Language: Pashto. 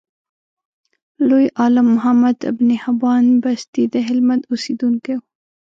لوی عالم محمد ابن حبان بستي دهلمند اوسیدونکی و.